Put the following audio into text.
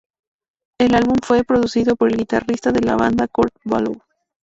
El álbum fue producido por el guitarrista de la banda Kurt Ballou.